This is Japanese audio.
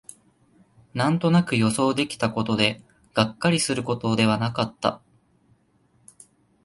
なんとなく予想できたことで、がっかりすることではなかった